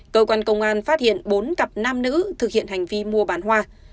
cơ quan công an phát hiện bốn cặp nam nữ thực hiện hành vi mua bán hoa